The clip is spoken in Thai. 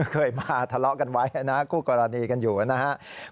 เคยมาทะเลาะกันไว้นะคู่กรณีกันอยู่นะครับ